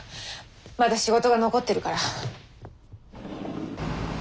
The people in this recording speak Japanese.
まだ仕事が残ってるから。